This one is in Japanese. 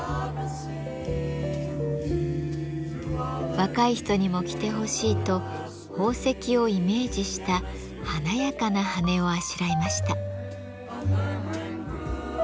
若い人にも着てほしいと宝石をイメージした華やかな羽をあしらいました。